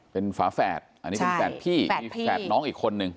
เป็นฝาแฝดอันนี้เป็นแฝดพี่มีแฝดน้องอีกคนนึง